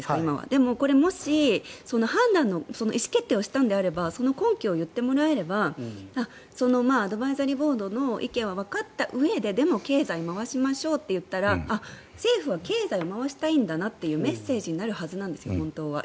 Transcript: でも、もし判断の意思決定をしたのであればその根拠を言ってもらえればアドバイザリーボードの意見はわかったうえででも経済を回しましょうと言ったら政府は経済を回したいんだなというメッセージになるはずなんです本当は。